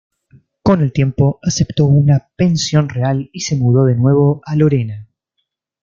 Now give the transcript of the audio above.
Con el tiempo aceptó una pensión real y se mudó de nuevo a Lorena.